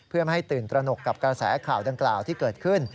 เพื่อไม่ให้ตื่นตระหนกกับกระแสข่าวดังกล่าวที่เกิดขึ้น